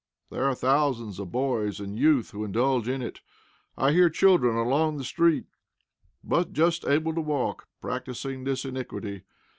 There are thousands of boys and youth who indulge in it. I hear children along the street, but just able to walk, practising this iniquity.